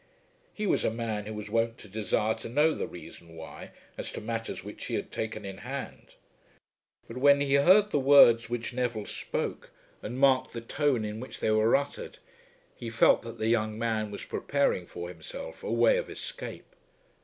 He was a man who was wont to desire to know the reason why, as to matters which he had taken in hand. But when he heard the words which Neville spoke and marked the tone in which they were uttered he felt that the young man was preparing for himself a way of escape.